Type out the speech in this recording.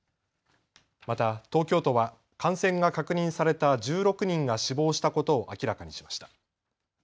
また、東京都は、感染が確認された１６人が死亡したことを明らかにしました。